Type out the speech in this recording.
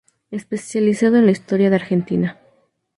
Especializado en la historia de Argentina.